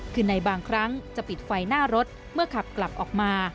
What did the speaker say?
คือในบางครั้งจะปิดไฟหน้ารถเมื่อขับกลับออกมา